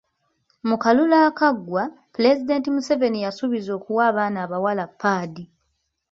Mu kalulu akaggwa, Pulezidenti Museveni yasuubiza okuwa abaana abawala padi.